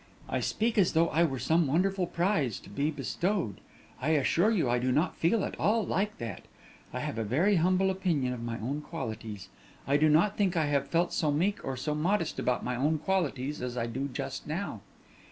"I speak as though I were some wonderful prize to be bestowed; I assure you I do not feel at all like that. I have a very humble opinion of my own qualities. I do not think I have felt so meek or so modest about my own qualities as I do just now."